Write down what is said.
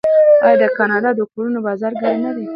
آیا د کاناډا د کورونو بازار ګرم نه دی؟